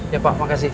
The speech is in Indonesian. ya pak makasih